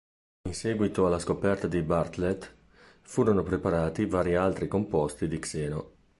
In seguito alla scoperta di Bartlett furono preparati vari altri composti di xeno.